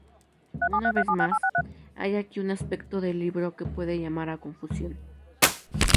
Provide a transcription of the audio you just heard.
Una vez más, hay aquí un aspecto del libro que puede llamar a confusión.